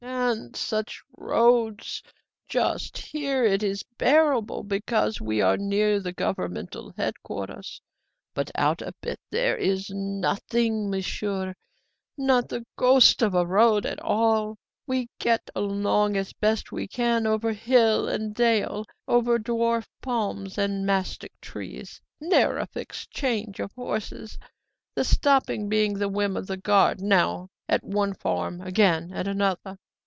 "And such roads! Just here it is bearable, because we are near the governmental headquarters; but out a bit there's nothing, Monsieur not the ghost of a road at all. We get along as best we can over hill and dale, over dwarf palms and mastic trees. Ne'er a fixed change of horses, the stopping being at the whim of the guard, now at one farm, again at another.